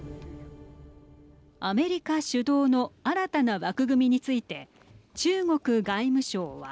アメリカ主導の新たな枠組みについて中国外務省は。